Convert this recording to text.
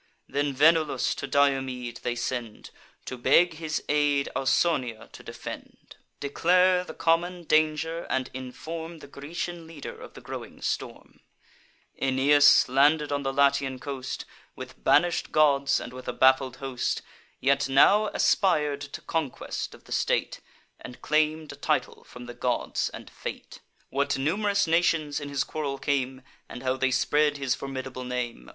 Then Venulus to Diomede they send, To beg his aid Ausonia to defend, Declare the common danger, and inform The Grecian leader of the growing storm: "Aeneas, landed on the Latian coast, With banish'd gods, and with a baffled host, Yet now aspir'd to conquest of the state, And claim'd a title from the gods and fate; What num'rous nations in his quarrel came, And how they spread his formidable name.